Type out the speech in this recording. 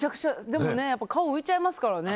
でも顔浮いちゃいますからね。